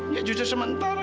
ya juga sementara